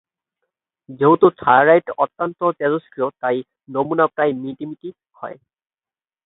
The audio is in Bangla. যেহেতু থোরাইট অত্যন্ত তেজস্ক্রিয়, তাই নমুনা প্রায়ই "মিটামিটি" হয়।